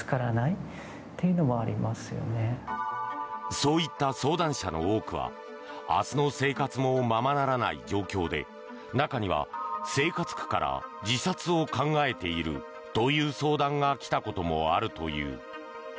そういった相談者の多くは明日の生活もままならない状況で中には生活苦から自殺を考えているという相談が来たこともあるという。